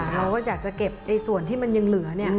เราก็อยากจะเก็บส่วนใหญ่ที่มันเหลือ